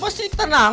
saya juga punya anak